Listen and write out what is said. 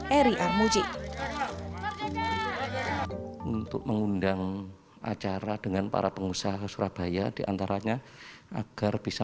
eri armuji untuk mengundang acara dengan para pengusaha ke surabaya diantaranya agar bisa